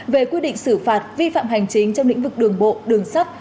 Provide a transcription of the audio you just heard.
về quy định xử phạt vi phạm hành chính trong lĩnh vực đường bộ đường sắt